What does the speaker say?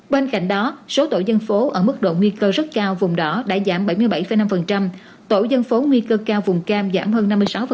bên cạnh đó số tổ dân phố ở mức độ nguy cơ rất cao vùng đỏ đã giảm bảy mươi bảy năm tổ dân phố nguy cơ cao vùng cam giảm hơn năm mươi sáu